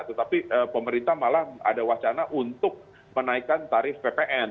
tetapi pemerintah malah ada wacana untuk menaikkan tarif ppn